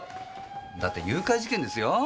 だって誘拐事件ですよ？